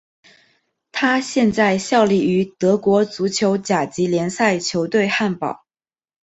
他现在效力于德国足球甲级联赛球队汉堡。